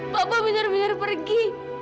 papa benar benar pergi